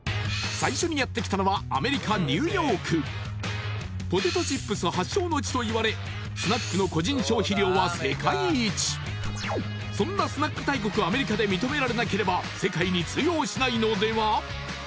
最初にやってきたのはアメリカニューヨークポテトチップス発祥の地といわれスナックの個人消費量は世界一そんなスナック大国アメリカで認められなければ世界に通用しないのでは？